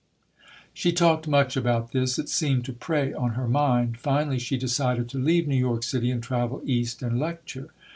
She talked much about this. It seemed to prey on her mind. Finally she decided to leave New York City and travel east and lecture.